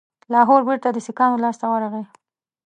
لاهور بیرته د سیکهانو لاسته ورغی.